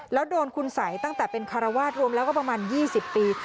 แล้วโดนคุณสัยตั้งแต่เป็นคารวาสรวมแล้วก็ประมาณ๒๐ปี